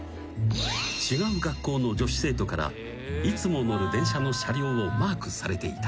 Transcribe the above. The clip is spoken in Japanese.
［違う学校の女子生徒からいつも乗る電車の車両をマークされていた］